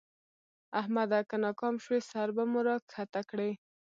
احمده! که ناکام شوې؛ سر به مو راکښته کړې.